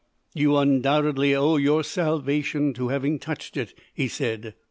'You undoubtedly owe your salvation to having touched it,' he said.